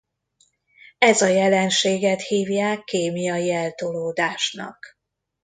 Ez a jelenséget hívják kémiai eltolódásnak.